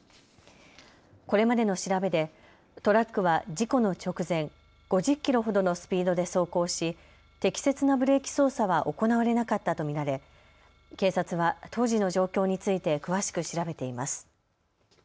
これまでの調べでトラックは事故の直前、５０キロほどのスピードで走行し適切なブレーキ操作は行われなかったと見られ、警察は当時の状況について詳しく調べています。